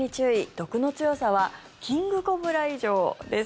毒の強さはキングコブラ以上！？です。